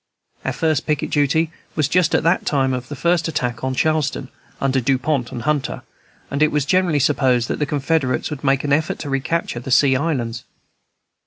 Our first picket duty was just at the time of the first attack on Charleston, under Dupont and Hunter; and it was generally supposed that the Confederates would make an effort to recapture the Sea Islands.